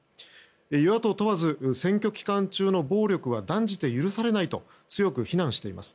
与野党問わず選挙期間中の暴力は断じて許されないと強く非難しています。